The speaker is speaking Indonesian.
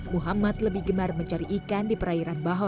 muhammad lebih gemar mencari ikan di perairan baho